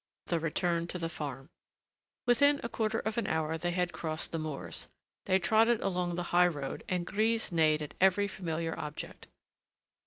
XV THE RETURN TO THE FARM Within a quarter of an hour they had crossed the moors. They trotted along the high road, and Grise neighed at every familiar object.